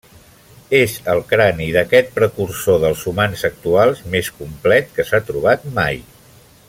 És el crani d'aquest precursor dels humans actuals més complet que s'ha trobat mai.